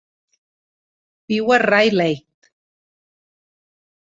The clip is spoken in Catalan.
Viu a Rayleigh.